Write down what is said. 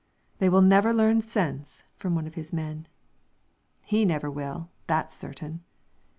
"They will never learn sense," from one of his men. "He never will; that's certain."